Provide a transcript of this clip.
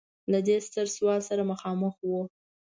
له دې ستر سوال سره مخامخ و.